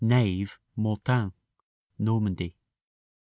Nave, Mortain (Normandy).